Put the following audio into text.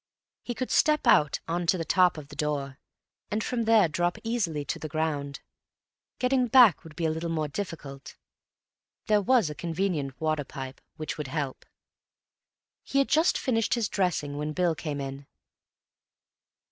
He could step out on to the top of the door, and from there drop easily to the ground. Getting back would be little more difficult. There was a convenient water pipe which would help. He had just finished his dressing when Bill came in.